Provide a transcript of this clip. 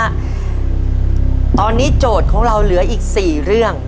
ตอนนี้โจทย์ของเราเหลืออีก๔เรื่อง